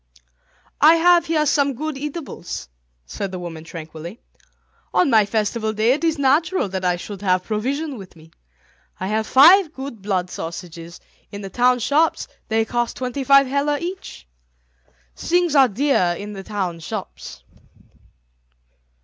"I have here some good eatables," said the woman tranquilly; "on my festival day it is natural that I should have provision with me. I have five good blood sausages; in the town shops they cost twenty five heller each. Things are dear in the town shops."